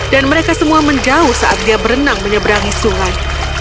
dan mereka semua menjauh saat dia berenang menyeberangi sungai